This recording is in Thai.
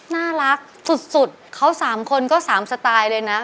น่ารักสุดเขา๓คนก็๓สไตล์เลยนะ